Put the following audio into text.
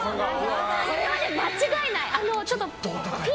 これは間違いない！